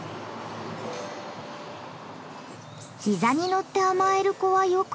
膝に乗って甘える子はよくいますが。